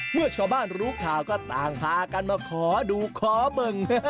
เมื่อชาวบ้านรู้ข่าวก็ต่างพากันมาขอดูขอเบิ่ง